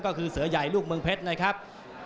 ก็คือเสือใหญ่ลูกเมืองเพชรนะครับ